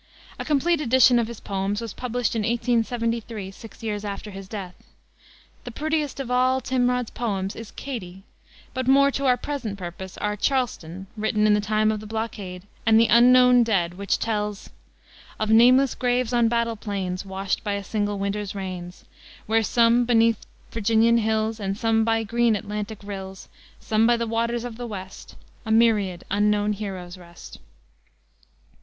A complete edition of his poems was published in 1873, six years after his death. The prettiest of all Timrod's poems is Katie, but more to our present purpose are Charleston written in the time of blockade and the Unknown Dead, which tells "Of nameless graves on battle plains, Wash'd by a single winter's rains, Where, some beneath Virginian hills, And some by green Atlantic rills, Some by the waters of the West, A myriad unknown heroes rest."